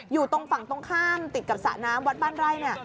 อยู่ตรงฝั่งตรงข้ามติดกับสระน้ำวัดบ้านไร่